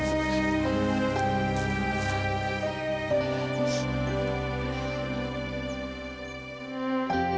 adakah ibu akan bisa mengangkut ayahmu